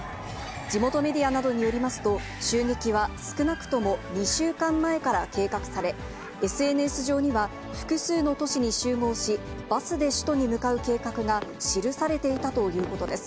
地元メディアなどによりますと、襲撃は少なくとも２週間前から計画され、ＳＮＳ上には、複数の都市に集合し、バスで首都に向かう計画が記されていたということです。